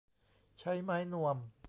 ใช้ไม้นวม